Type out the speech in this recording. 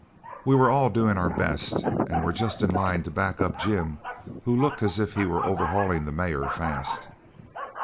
We were all doing our best, and were just in the line to back up Jim, who looked as if he was overhauling the mare fast.